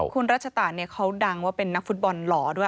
คุณรัชตะเขาดังว่าเป็นนักฟุตบอลหล่อด้วย